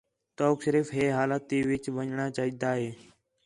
تؤک صرف ہِے حالت تے وِچ وِڄݨاں چاہیجدا ہِے